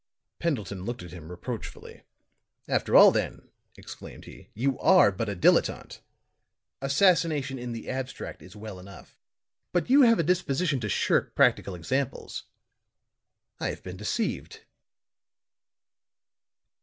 Pendleton looked at him reproachfully. "After all, then," exclaimed he, "you are but a dilettante! Assassination in the abstract is well enough, but you have a disposition to shirk practical examples. I have been deceived!"